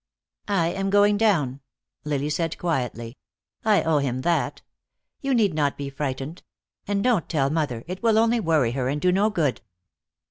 "I am going down," Lily said quietly. "I owe him that. You need not be frightened. And don't tell mother; it will only worry her and do no good."